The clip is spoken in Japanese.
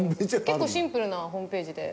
結構シンプルなホームページで。